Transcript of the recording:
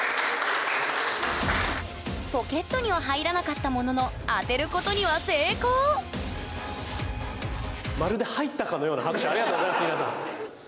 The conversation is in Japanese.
ポケットには入らなかったもののまるで入ったかのような拍手ありがとうございます皆さん。